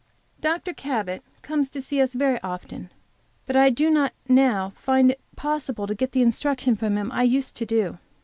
Dr. Cabot comes to see us very often, but, I do not now find it possible to get the instruction from him I used to do.